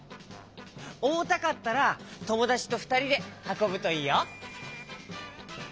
おもたかったらともだちとふたりではこぶといいよ。